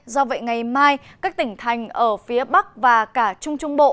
do vậy ngày mai các tỉnh thành ở phía bắc và cả trung trung bộ